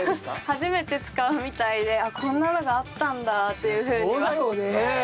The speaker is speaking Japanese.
初めて使うみたいで「こんなのがあったんだ」というふうには言ってました。